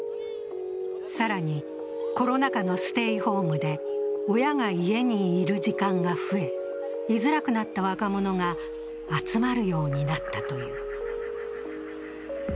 更にコロナ禍のステイホームで親が家にいる時間が増え、居づらくなった若者が集まるようになったという。